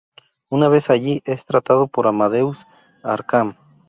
Una vez allí, es tratado por Amadeus Arkham.